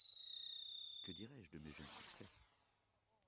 Que dirais-je de mes jeunes succès ?